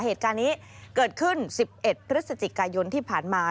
เหตุการณ์นี้เกิดขึ้น๑๑พฤศจิกายนที่ผ่านมา